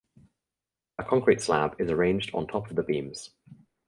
A concrete slab is arranged on top of the beams.